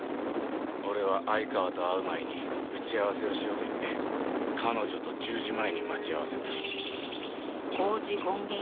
俺は相川と会う前に打ち合わせをしようと言って彼女と１０時前に待ち合わせた。